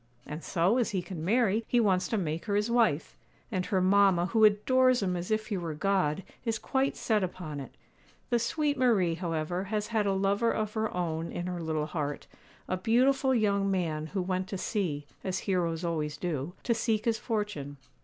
And so, as he can marry, he wants to make her his wife; and her mamma, who adores him as if he were God, is quite set upon it. The sweet Marie, however, has had a lover of her own in her little heart, a beautiful young man who went to sea, as heroes always do, to seek his fortune.